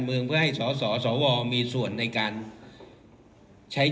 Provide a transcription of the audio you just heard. ที่เราอยากถูกใจ